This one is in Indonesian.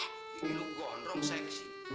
ini lu gondrong seksi